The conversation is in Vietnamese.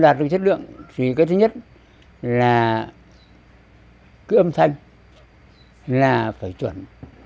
cứ đàn mà đạt được chất lượng thì cái thứ nhất là cái âm thanh là phải chuẩn